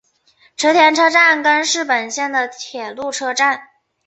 池田车站根室本线的铁路车站。